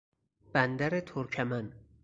بندر ترکمن